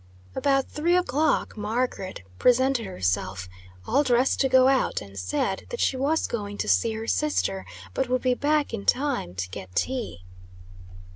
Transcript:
About three o'clock Margaret presented herself, all dressed to go out, and said that she was going to see her sister, but would be back in time to get tea.